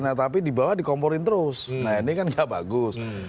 nah tapi di bawah dikomporin terus nah ini kan gak bagus